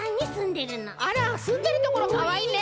あらすんでるところかわいいね。